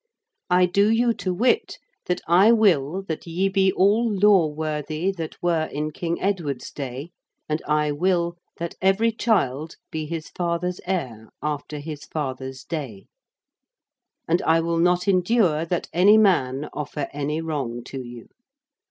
'I do you to wit that I will that ye be all law worthy that were in King Edward's day, and I will that every child be his father's heir after his father's day: and I will not endure that any man offer any wrong to you.